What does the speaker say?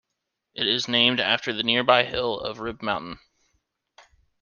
It is named after the nearby hill of Rib Mountain.